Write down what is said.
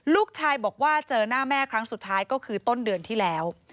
ลูกชายบอกว่าเจอหน้าแม่ครั้งสุดท้ายก็คือต้นเดือนที่แล้ว